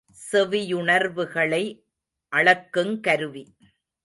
செவியுணர்வுகளை அளக்குங் கருவி.